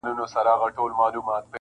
• د سپي محتاج -